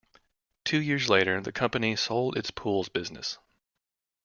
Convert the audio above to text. Two years later the company sold its pools business.